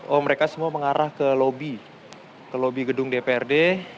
oh mereka semua mengarah ke lobi ke lobi gedung dprd